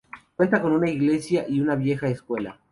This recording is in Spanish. Cuenta con una iglesia y una vieja escuela.